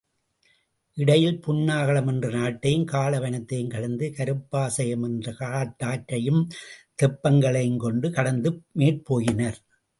இடையில் புன்னாளகம் என்னும் நாட்டையும், காள வனத்தையும் கடந்து கருப்பாசயம் என்ற காட்டாற்றையும் தெப்பங்களைக் கொண்டு கடந்து மேற்போயினர்.